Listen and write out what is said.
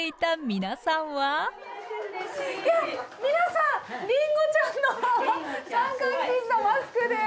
皆さんりんごちゃんの三角巾とマスクで。